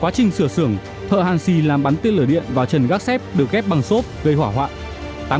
quá trình sửa sửa thợ hàn xì làm bắn tiên lửa điện vào trần gác xép được ghép bằng xốp gây hỏa hoạn